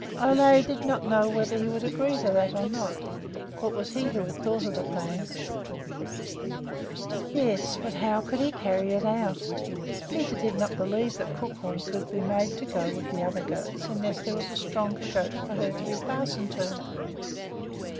Ole did not know whether he would agree to that or not, for it was he who had thought of the plan. Yes, but how could he carry it out? Peter did not believe that Crookhorn could be made to go with the other goats unless there was a stronger goat for her to be fastened to.